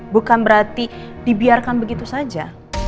bukan berarti dibiarkan begitu saja